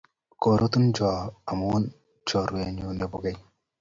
Korutochon amut chorwennyu nepo keny.